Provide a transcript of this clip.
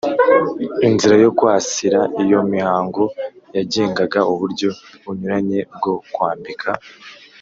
inzira yo kwasira: iyo mihango yagengaga uburyo bunyuranye bwo kwambika